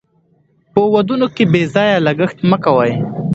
په ودونو کې بې ځایه لګښت مه کوئ.